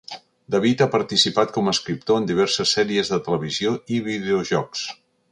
David ha participat com a escriptor en diverses sèries de televisió i videojocs.